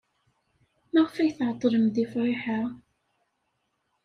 Maɣef ay tɛeḍḍlem deg Friḥa?